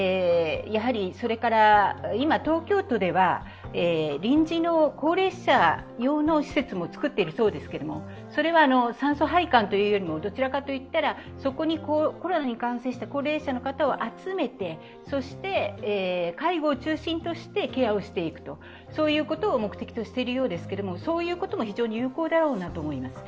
それから、今、東京都では臨時の高齢者用の施設もつくっているそうですけれどもそれは酸素配管というよりもどちらかといったら、そこにコロナに感染した高齢者の方を集めて介護を中心としてケアをしていくと、そういうことを目的としているようですけれどもそういうことも非常に有効だろうなと思います。